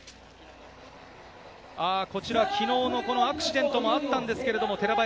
こちら昨日のアクシデントもあったんですけれども寺林、